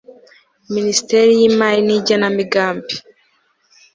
minisiteri y imari n igenamigambi